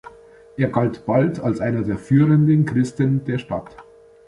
Er galt bald als einer der führenden Christen der Stadt.